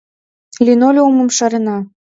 Линолеумым шарена.